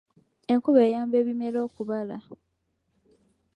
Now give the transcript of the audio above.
Enkuba eyamba ebimera okubala.